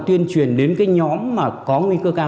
tuyên truyền đến nhóm có nguy cơ cao